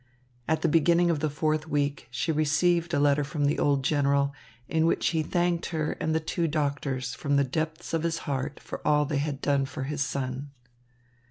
At the beginning of the fourth week, she received a letter from the old general, in which he thanked her and the two doctors from the depths of his heart for all they had done for his son.